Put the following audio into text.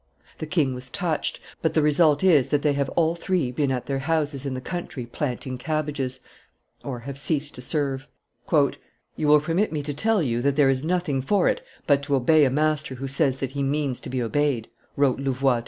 The king was touched; but the result is, that they have all three been at their houses in the country planting cabbages (have ceased to serve)." "You will permit me to tell you that there is nothing for it but to obey a master who says that he means to be obeyed," wrote Louvois to M.